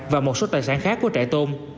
và một số tài sản khác của trại tôm